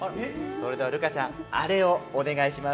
それでは琉楓ちゃんあれをお願いします。